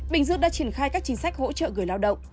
bình dương đã triển khai các chính sách hỗ trợ người lao động